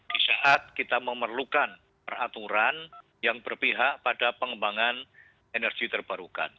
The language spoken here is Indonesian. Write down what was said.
di saat kita memerlukan peraturan yang berpihak pada pengembangan energi terbarukan